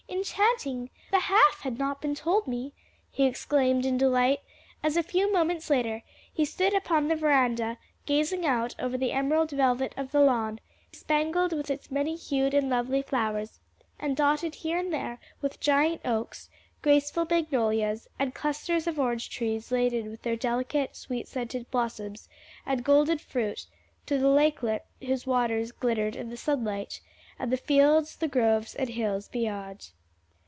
enchanting! the half had not been told me!" he exclaimed in delight, as, a few moments later, he stood upon the veranda gazing out over the emerald velvet of the lawn, bespangled with its many hued and lovely flowers, and dotted here and there with giant oaks, graceful magnolias, and clusters of orange trees laden with their delicate, sweet scented blossoms and golden fruit, to the lakelet whose waters glittered in the sunlight, and the fields, the groves and hills beyond.